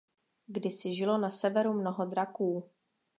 Kdysi žilo na severu mnoho draků.